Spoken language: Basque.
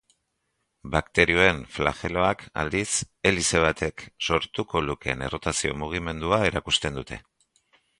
Bakterioen flageloak, aldiz, helize batek sortuko lukeen errotazio-mugimendua erakusten dute.